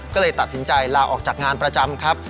ก็เลยตัดสินใจลาออกจากงานประจำครับ